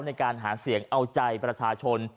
ในการหาเสียงเอาใจประชาชน